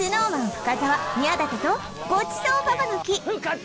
深澤宮舘とごちそうババ抜き深澤ーっ！